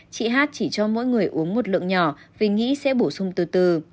chị hát chỉ cho mỗi người uống một lượng nhỏ vì nghĩ sẽ bổ sung từ từ